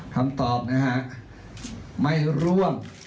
คำตอบนะฮะไม่ร่วม